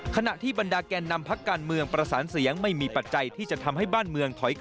ขณะที่บรรดาแกนนำพักการเมืองประสานเสียงไม่มีปัจจัยที่จะทำให้บ้านเมืองถอยกลับ